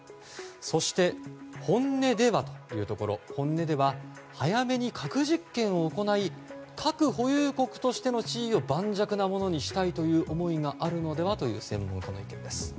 そして、本音ではというところ早めに核実験を行い核保有国としての地位を盤石なものにしたいという思いがあるのではという専門家の意見です。